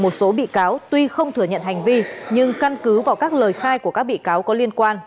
một số bị cáo tuy không thừa nhận hành vi nhưng căn cứ vào các lời khai của các bị cáo có liên quan